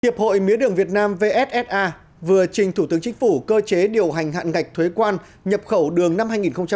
hiệp hội mía đường việt nam vsa vừa trình thủ tướng chính phủ cơ chế điều hành hạn ngạch thuế quan nhập khẩu đường năm hai nghìn hai mươi